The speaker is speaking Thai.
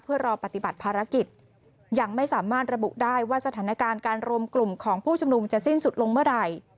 เพื่อรอปฏิบัติภารกิจยังไม่สามารถระบุได้ว่าสถานการณ์การรวมกลุ่มของผู้ชุมนุมจะสิ้นสุดลงเมื่อไหร่